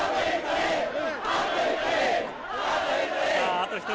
あと１人！